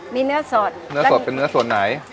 มีเนื้อสด